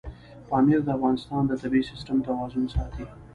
پامیر د افغانستان د طبعي سیسټم توازن ساتي.